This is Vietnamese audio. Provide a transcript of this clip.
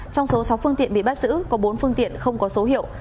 trong số sáu phương tiện bị bắt giữ có bốn phương tiện không có số hiệu